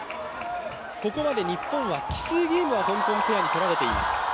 ここまで日本は、奇数ゲームは香港ペアに取られています。